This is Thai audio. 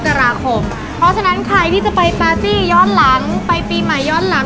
ราคมเพราะฉะนั้นใครที่จะไปปาร์ตี้ย้อนหลังไปปีใหม่ย้อนหลัง